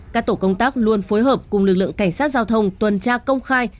các tổ công tác luôn phối hợp cùng lực lượng cảnh sát giao thông tuần tra công khai